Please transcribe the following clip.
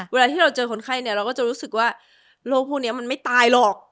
เวลาที่เราเจอคนไข้เนี่ยเราก็จะรู้สึกว่าโรคพวกนี้มันไม่ตายหรอก